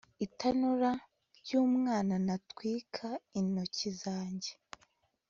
itanura ry'umwana natwika intoki zanjye